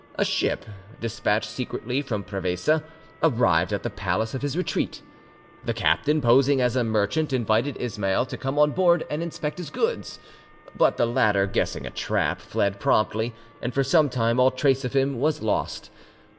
A ship, despatched secretly from Prevesa, arrived at the place of his retreat. The captain, posing as a merchant, invited Ismail to come on board and inspect his goods. But the latter, guessing a trap, fled promptly, and for some time all trace of him was lost.